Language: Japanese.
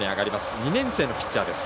２年生のピッチャーです。